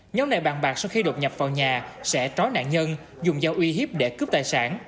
nhóm này bàn bạc sau khi đột nhập vào nhà sẽ trói nạn nhân dùng dao uy hiếp để cướp tài sản